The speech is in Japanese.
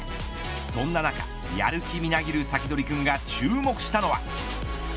そんな中、やる気みなぎるサキドリくんが注目したのは。